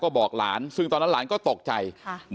เป็นมีดปลายแหลมยาวประมาณ๑ฟุตนะฮะที่ใช้ก่อเหตุ